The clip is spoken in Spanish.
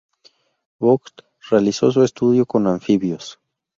Vogt realizó su estudio con anfibios.